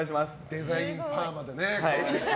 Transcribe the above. デザインパーマでね。